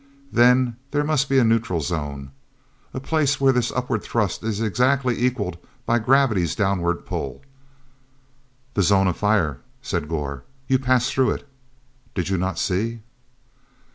Then there must be a neutral zone. A place where this upward thrust is exactly equalled by gravity's downward pull. "The zone of fire," said Gor. "You passed through it. Did you not see?"